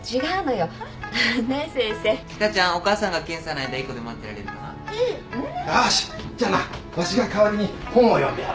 よーしじゃあなわしが代わりに本を読んでやろう。